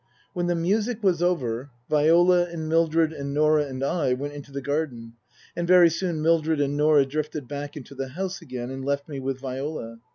When the music was over Viola and Mildred and Norah and I went into the garden, and very soon Mildred and Norah drifted back into the house again and left me with Viola.